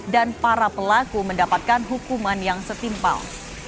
dan para pelaku mendapatkan hukuman yang setimpal